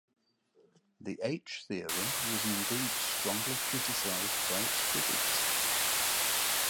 The H theorem was indeed strongly criticized by its critics.